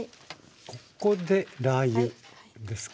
ここでラー油ですか？